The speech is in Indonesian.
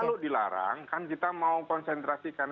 kalau dilarang kan kita mau konsentrasikan